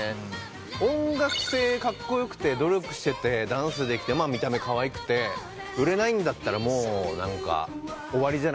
音楽性カッコよくて努力しててダンスできて見た目かわいくて売れないんだったらもう何か終わりじゃないっすか。